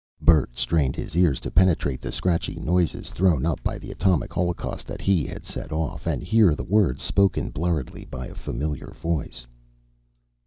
Bert strained his ears to penetrate the scratchy noises thrown up by the atomic holocaust that he had set off, and hear the words spoken blurredly by a familiar voice